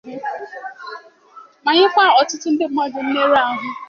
ma nyekwa ọtụtụ ndị mmadụ mmerụahụ.